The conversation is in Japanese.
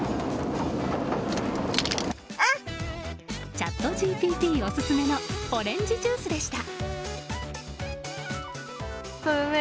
チャットＧＰＴオススメのオレンジジュースでした。